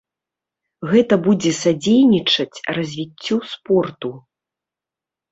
Гэта будзе садзейнічаць развіццю спорту.